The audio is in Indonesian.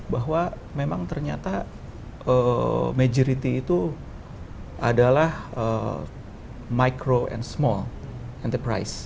bahwa memang ternyata majority itu adalah micro and small enterprise